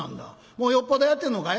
もうよっぽどやってんのかい？」。